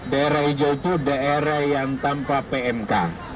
daerah hijau itu daerah yang tanpa pmk